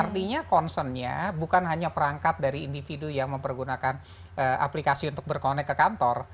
artinya concernnya bukan hanya perangkat dari individu yang mempergunakan aplikasi untuk berkonek ke kantor